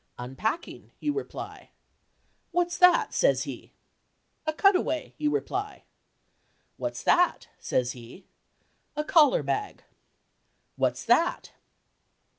"Unpacking," you reply. "What's that?" says he. "A cutaway," you reply. "What's that?" says he. "A collar bag." "What's that?"